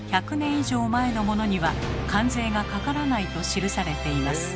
以上前のモノには関税がかからないと記されています。